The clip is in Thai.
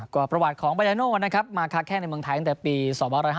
ก็ประวัติของบัญญาณวงศ์นะครับมาคลักษณ์ในเมืองไทยตั้งแต่ปีศ๑๕๒